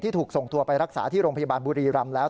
ถูกส่งตัวไปรักษาที่โรงพยาบาลบุรีรำแล้ว